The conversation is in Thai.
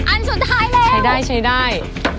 อันสุดท้ายแล้วใช้ได้